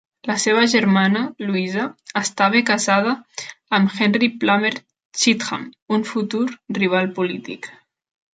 La seva germana, Louisa, estava casada amb Henry Plummer Cheatham, un futur rival polític.